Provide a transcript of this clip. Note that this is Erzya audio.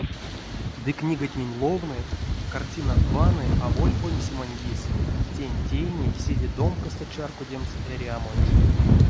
Ды книгатнень ловны, картинат ванны аволь оймсемань кис, тень тейни седе домкасто чарькодемс эрямонть.